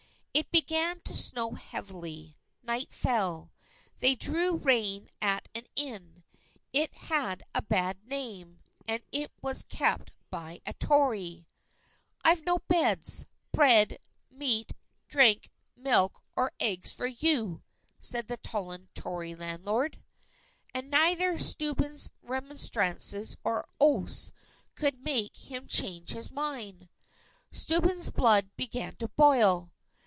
It began to snow heavily. Night fell. They drew rein at an inn. It had a bad name; and it was kept by a Tory. "I've no beds, bread, meat, drink, milk, or eggs for you," said the sullen Tory landlord. And neither Steuben's remonstrances nor oaths could make him change his mind. Steuben's blood began to boil.